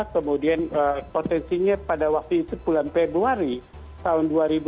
kemudian potensinya pada waktu itu bulan februari tahun dua ribu dua puluh